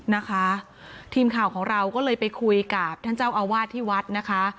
นะคะทีมข่าวของเราก็เลยไปคุยกับท่านเจ้าอาวาสที่วัดนะคะ